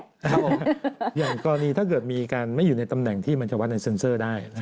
อย่างกรณีถ้าเกิดมีการไม่อยู่ในตำแหน่งที่มันจะวัดในเซ็นเซอร์ได้